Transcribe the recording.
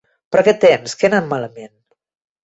Però què tens? Que ha anat malament?